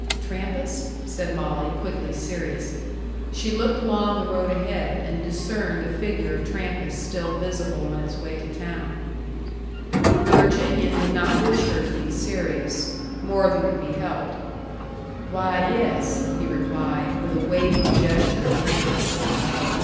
"Trampas?" said Molly, quickly serious. She looked along the road ahead, and discerned the figure of Trampas still visible on its way to town. The Virginian did not wish her to be serious more than could be helped. "Why, yes," he replied, with a waving gesture at Trampas.